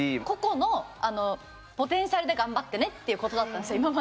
個々のポテンシャルで頑張ってねっていうことだったんですよ